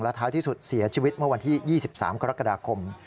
ท้ายที่สุดเสียชีวิตเมื่อวันที่๒๓กรกฎาคม